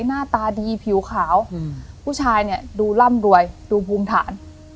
หน้าตาดีผิวขาวผู้ชายเนี่ยดูร่ำรวยดูภูมิฐาน